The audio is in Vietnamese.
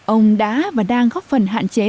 ông đã và đang góp phần hạn chế